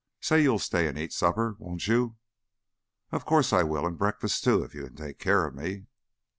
Say, you'll stay an' eat supper, won't you?" "Of course I will, and breakfast, too, if you can take care of me."